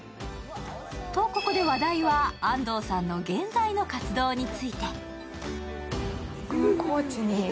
とここで話題は安藤さんの現在の活動について。